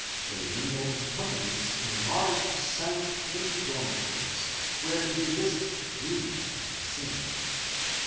They mingle in companies in large sunny, clean, dormitories, where they visit, read and sing.